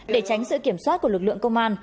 để tránh sự kiểm soát của lực lượng công an